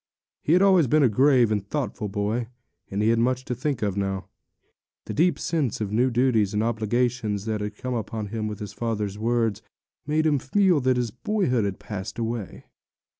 He had always been a grave and thoughtful boy; and he had much to think of now. The deep sense of new duties and obligations that had come upon him with his father's words, made him feel that his boyhood had passed away.